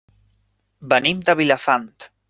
Venim de Vilafant.